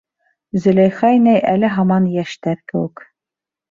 — Зөләйха инәй әле һаман йәштәр кеүек.